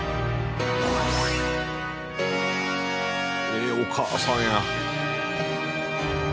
ええお母さんや。